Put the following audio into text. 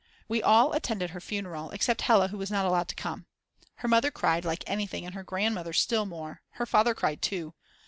We all attended her funeral, except Hella who was not allowed to come. Her mother cried like anything and her grandmother still more; her father cried too.